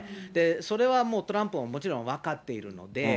それはもうトランプももちろん分かっているので。